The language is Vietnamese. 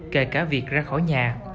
kể cả việc ra khỏi nhà